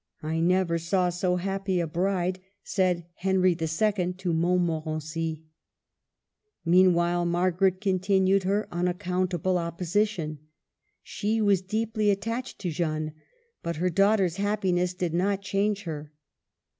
'* I never saw so happy a bride," said Henry H. to Montmorency. Meanwhile Margaret continued her unac countable opposition. She was deeply attached to Jeanne, but her daughter's happiness did not change her.